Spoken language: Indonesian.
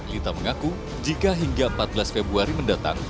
lita mengaku jika hingga empat belas februari mendatang